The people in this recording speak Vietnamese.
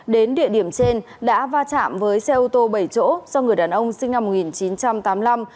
đến địa điểm trên đã va chạm với xe ô tô bảy chỗ do người đàn ông sinh năm một nghìn chín trăm tám mươi năm